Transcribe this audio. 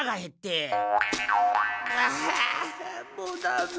あもうダメ！